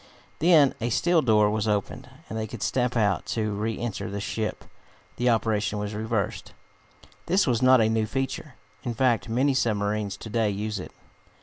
Then a steel door was opened, and they could step out. To re enter the ship the operation was reversed. This was not a new feature. In fact, many submarines to day use it.